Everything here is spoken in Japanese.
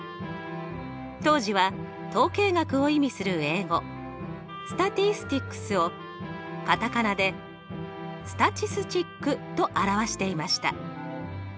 当時は統計学を意味する英語ｓｔａｔｉｓｔｉｃｓをカタカナでスタチスチックと表していました。